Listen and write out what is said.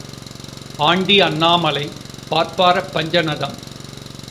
Aunty Annamalai, பாப்பாரப் பஞ்சநதம்.